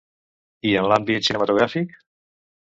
I en l'àmbit cinematogràfic?